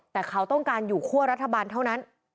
แต่เขาต้องการอยู่คั่วรัฐบาลเท่านั้น